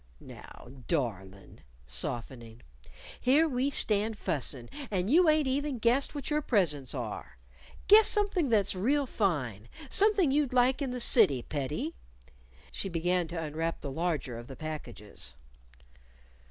"Now, darlin'," softening "here we stand fussin', and you ain't even guessed what your presents are. Guess something that's real fine: something you'd like in the city, pettie." She began to unwrap the larger of the packages.